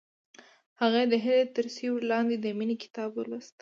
هغې د هیلې تر سیوري لاندې د مینې کتاب ولوست.